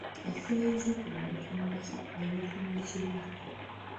Ekifo we yaziikibwa ne watuumwa Kibwa.